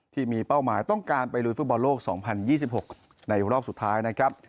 ที่มีเป้าหมายต้องการไปลุยฟุตบอลโลก๒๐๒๖ในรอบสุดท้ายนะครับ